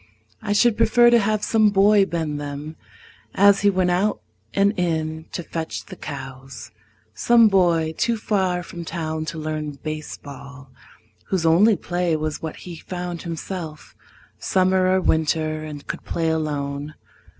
I should prefer to have some boy bend them As he went out and in to fetch the cows Some boy too far from town to learn baseball, Whose only play was what he found himself, Summer or winter, and could play alone.